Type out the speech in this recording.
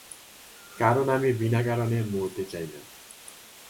কারণ আমি বিনাকারণে মরতে চাই না।